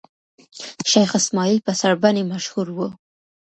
شېخ اسماعیل په سړبني مشهور وو.